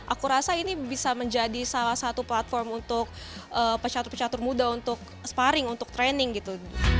aku rasa ini bisa menjadi salah satu platform untuk pecatur pecatur muda untuk sparring untuk training gitu